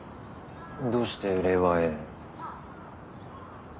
どうして令和へ？